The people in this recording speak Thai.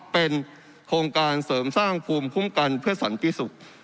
เป็นโครงการเสริมสร้างภูมิคุ้มกันเพื่อสันติสุข